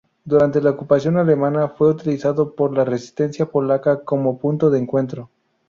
Durante la ocupación alemana, fue utilizado por la resistencia polaca como punto de encuentro.